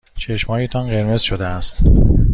چشمهایتان قرمز شده است.